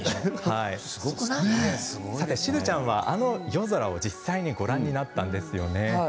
しずちゃんは、あの夜空を実際にご覧になったんですよね。